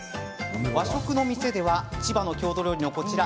和食の店では千葉の郷土料理のこちら。